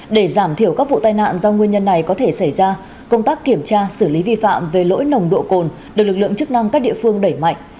để giảm thiểu các vụ tai nạn do nguyên nhân này có thể xảy ra công tác kiểm tra xử lý vi phạm về lỗi nồng độ cồn được lực lượng chức năng các địa phương đẩy mạnh